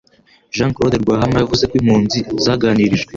Jean Claude Rwahama yavuze ko impunzi zaganirijwe